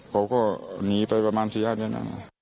เขาก็หนีไปประมาณ๔๕เดือน